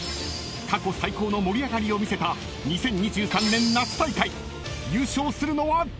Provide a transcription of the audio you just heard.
［過去最高の盛り上がりを見せた２０２３年夏大会］［優勝するのは誰だ⁉］